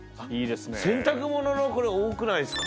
洗濯物のこれ多くないですか？